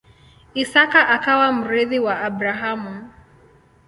Isaka akawa mrithi wa Abrahamu.